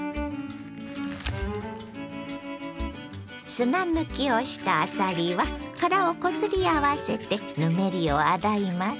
砂抜きをしたあさりは殻をこすり合わせてぬめりを洗います。